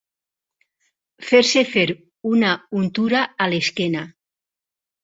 Fer-se fer una untura a l'esquena.